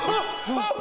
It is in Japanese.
あっ！